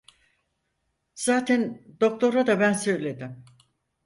Zaten doktora da ben söyledim…